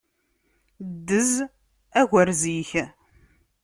Ddez agerz-ik!